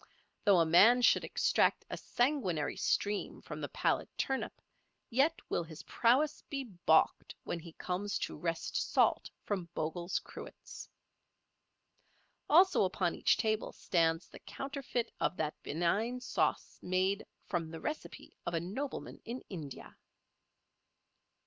Though a man should extract a sanguinary stream from the pallid turnip, yet will his prowess be balked when he comes to wrest salt from Bogle's cruets. Also upon each table stands the counterfeit of that benign sauce made "from the recipe of a nobleman in India."